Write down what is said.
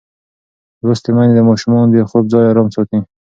لوستې میندې د ماشومانو د خوب ځای ارام ساتي.